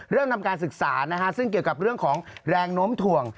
เริ่มทำการศึกษานะฮะซึ่งเกี่ยวกับเรื่องของแรงโน้มถ่วง